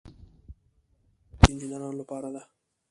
یوه ټولنه د میخانیکي انجینرانو لپاره ده.